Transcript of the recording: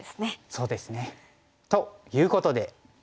そうですね。ということで。